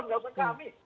enggak usah kami